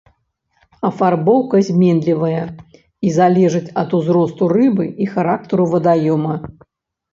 Афарбоўка зменлівая і залежыць ад узросту рыбы і характару вадаёма.